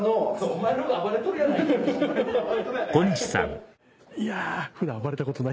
・お前の方が暴れとるやないか・いや。